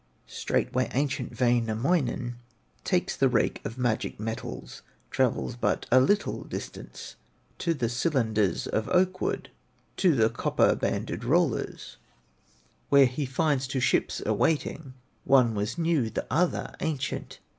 Straightway ancient Wainamoinen Takes the rake of magic metals, Travels but a little distance, To the cylinders of oak wood, To the copper banded rollers, Where he finds two ships awaiting, One was new, the other ancient.